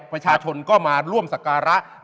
ประชาชนก็มาร่วมสการะ